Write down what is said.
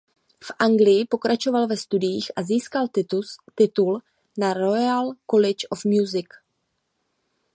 V Anglii pokračoval ve studiích a získal titul na Royal College of Music.